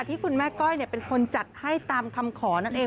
ที่คุณแม่ก้อยเป็นคนจัดให้ตามคำขอนั่นเอง